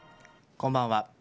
こんばんは。